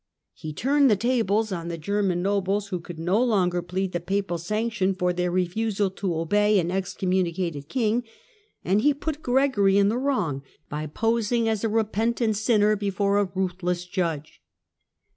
He turned the tables on the German nobles, who could no longer plead the papal sanction for their refusal to obey an excommunicated king, and he put Gregory in the wrong by posing as a repentant sinner before a ruthless judge.